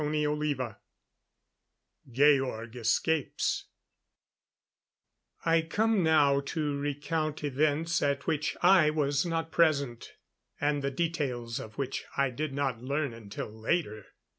CHAPTER X Georg Escapes I come now to recount events at which I was not present, and the details of which I did not learn until later.